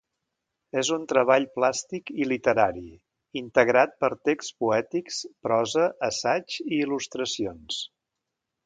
És un treball plàstic i literari integrat per texts poètics, prosa, assaig i il·lustracions.